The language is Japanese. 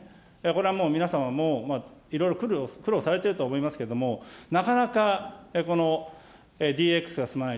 これはもう皆様も、いろいろ苦労されていると思いますけれども、なかなか、このＤＸが進まない。